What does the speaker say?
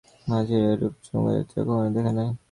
মাঝিরা এরূপ নৌকাযাত্রা আর কখনো দেখে নাই।